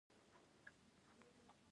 افغانستان د قومونه له امله شهرت لري.